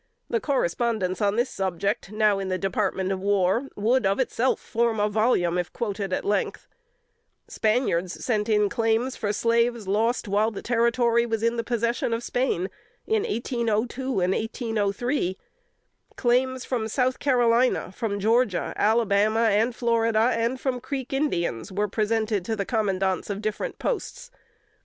The correspondence on this subject, now in the Department of War, would of itself form a volume, if quoted at length. Spaniards sent in claims for slaves lost while the Territory was in possession of Spain, in 1802 and 1803. Claims from South Carolina, from Georgia, Alabama and Florida, and from Creek Indians, were presented to the commandants of different posts.